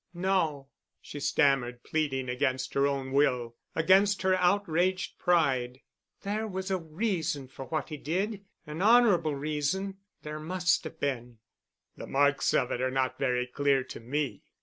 "No," she stammered, pleading against her own will, against her outraged pride. "There was a reason for what he did—an honorable reason. There must have been." "The marks of it are not very clear to me.